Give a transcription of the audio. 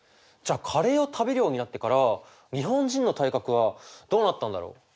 じゃあカレーを食べるようになってから日本人の体格はどうなったんだろう？